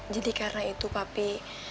jadi karena itu papi